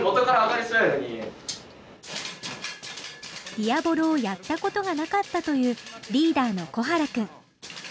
ディアボロをやったことがなかったというリーダーの小原くん。